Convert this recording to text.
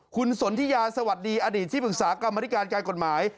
คุณสนทิยาสวัสดีอดีตที่ปรึกษากรรมธิการการกฎหมาย